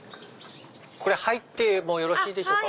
入ってもよろしいでしょうか？